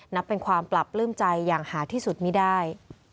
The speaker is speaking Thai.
นับเป็นความปรับปลื้มใจอย่างหาที่สุดไม่ได้